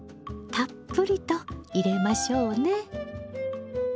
たっぷりと入れましょうね。